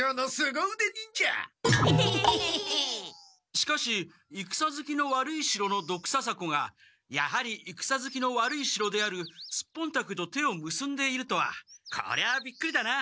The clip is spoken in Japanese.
しかしいくさずきの悪い城のドクササコがやはりいくさずきの悪い城であるスッポンタケと手をむすんでいるとはこりゃあびっくりだな！